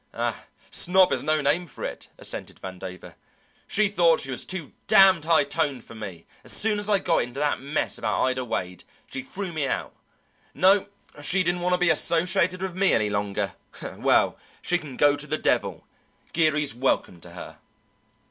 "Ah, snob is no name for it," assented Vandover. "She thought she was too damned high toned for me. As soon as I got into that mess about Ida Wade, she threw me over. No, she didn't want to be associated with me any longer. Well, she can go to the devil. Geary's welcome to her."